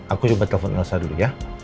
aku coba telepon nosa dulu ya